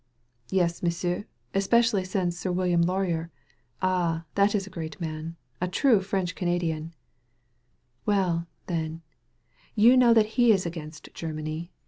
"Yes, M'sieu', especially since Sir Wilfred Laurier. Ah, that is a great man ! A true French Canadian !" "Well, then, you know that he is against Ger many.